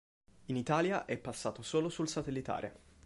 In Italia è passato solo sul satellitare.